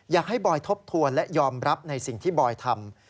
บอยทบทวนและยอมรับในสิ่งที่บอยทำ